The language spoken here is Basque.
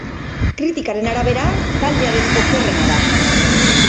Kritikaren arabera, taldearen okerrena da.